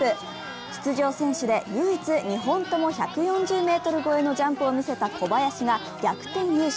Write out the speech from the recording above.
出場選手で唯一、２本とも１４０ｍ越えのジャンプを見せた小林が逆転優勝。